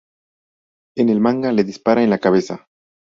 En el manga, le dispara en la cabeza.